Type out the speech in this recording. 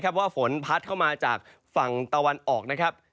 ว่าฝนพัดเข้ามาจากฝั่งตะวันออกนะครับ